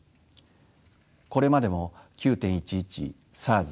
これまでも９．１１ＳＡＲＳ